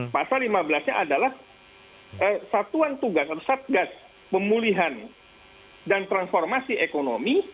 pasal lima belas nya adalah satuan tugas atau satgas pemulihan dan transformasi ekonomi